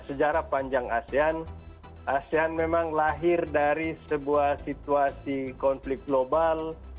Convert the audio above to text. sejarah panjang asean asean memang lahir dari sebuah situasi konflik global